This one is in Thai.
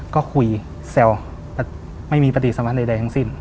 ก็คุยแซวไม่มีปฏิสรรวจใดทั้งสิ้น